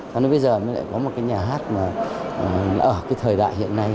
thế nên bây giờ mới lại có một cái nhà hát ở thời đại hiện nay